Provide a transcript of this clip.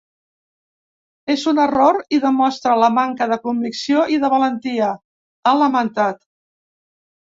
És un error i demostra la manca de convicció i de valentia, ha lamentat.